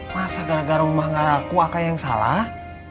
masa gara gara rumah gak laku akan yang salah